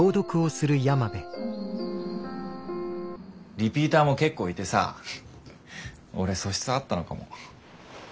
リピーターも結構いてさ俺素質あったのかも。